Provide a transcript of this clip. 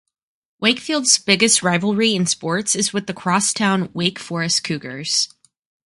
Wakefield's biggest rivalry in sports is with the cross-town Wake Forest Cougars.